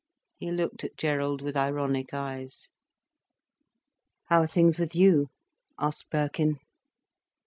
He looked at Gerald with ironic eyes. "How are things with you?" asked Birkin.